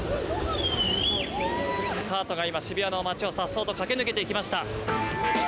カートが今、渋谷の街をさっそうと駆け抜けていきました。